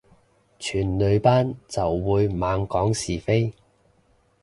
全女班就會猛講是非